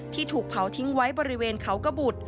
ถูกเผาทิ้งไว้บริเวณเขากระบุตร